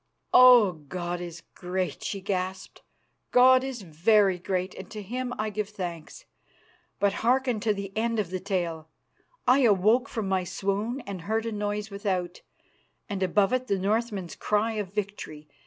"Oh! God is great!" she gasped. "God is very great, and to Him I give thanks. But hearken to the end of the tale. I awoke from my swoon and heard noise without, and above it the Northmen's cry of victory.